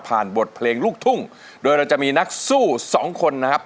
บทเพลงลูกทุ่งโดยเราจะมีนักสู้สองคนนะครับ